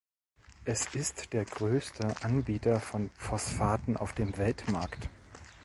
Es ist der größte Anbieter von Phosphaten auf dem Weltmarkt.